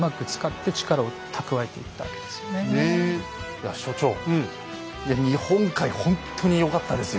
いや所長いや日本海ほんとによかったですよ。